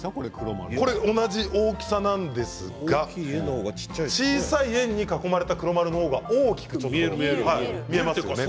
同じなんですが小さい円に囲まれた方が大きく見えますよね